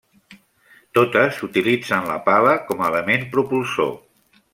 Totes utilitzen la pala com a element propulsor.